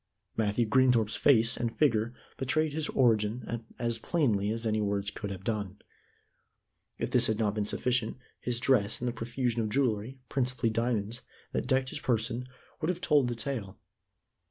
Matthew Greenthorpe's face and figure betrayed his origin as plainly as any words could have done. If this had not been sufficient, his dress and the profusion of jewelry principally diamonds that decked his person would have told the tale.